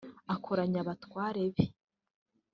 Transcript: akoranya abatware be